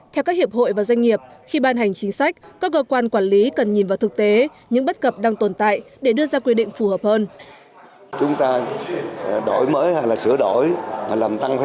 theo các hiệp hội và doanh nghiệp khi ban hành chính sách các cơ quan quản lý cần nhìn vào thực tế những bất cập đang tồn tại để đưa ra quy định phù hợp hơn